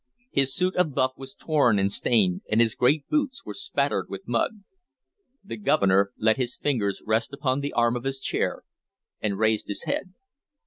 His suit of buff was torn and stained, and his great boots were spattered with mud. The Governor let his fingers rest upon the arm of his chair, and raised his head.